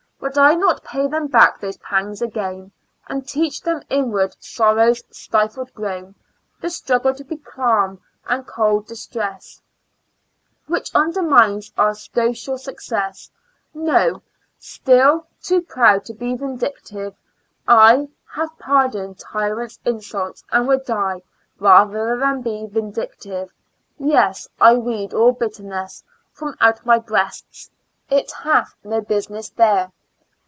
Would I not pay them back those pangs again. And teach them inward sorrow's stifled groan ? The struggle to be calm, and cold distress, 182 ^1^^^^ Years IN AN Asylum. Which undermines our stoical success ? No ! still too proud to be vindictive, I Have pardoned tyrant's insults, and would die Rather than be vindictive — yes, I weed all bitterness From out my breast; it hath no business there.